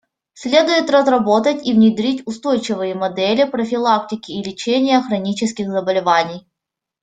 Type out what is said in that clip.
Следует разработать и внедрить устойчивые модели профилактики и лечения хронических заболеваний.